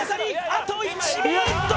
あと１ｍ！